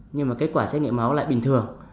nhưng mà kết quả xét nghiệm máu lại bình thường